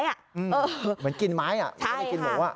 เหมือนกินไม้ไม่ได้กินหมู